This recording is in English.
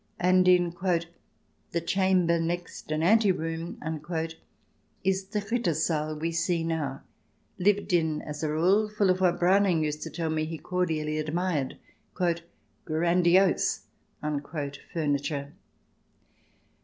And in " the chamber next an ante room " is the Ritter Saal we see now, lived in as a rule, full of what Browning used to tell me he cordially admired —" grandiose " furniture.